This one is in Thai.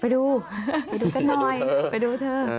ไปดูไปดูกันหน่อยไปดูเถอะไปดูเถอะอ่า